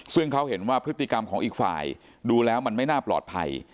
ซึ่งเขาเห็นว่าพฤติกรรมของอีกฝ่ายดูแล้วมันไม่น่าปลอดภัย